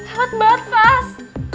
hemat banget pas